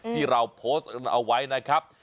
ที่เราโพสต์เอาไว้นะครับ